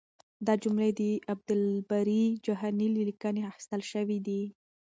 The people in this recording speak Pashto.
دا جملې د عبدالباري جهاني له لیکنې اخیستل شوې دي.